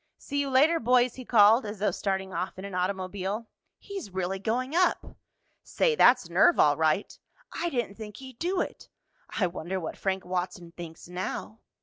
"See you later, boys," he called, as though starting off in an automobile. "He's really going up!" "Say, that's nerve all right!" "I didn't think he'd do it!" "I wonder what Frank Watson thinks now."